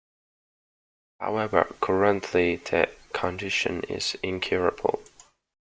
However, currently the condition is incurable.